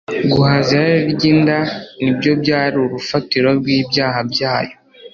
Guhaza irari ry’inda ni byo byari urufatiro rw’ibyaha byayo.